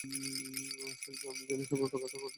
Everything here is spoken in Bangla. শেলবি আমি জানি সবার জন্য কতটা কঠিন হতে যাচ্ছে ব্যাপারটা।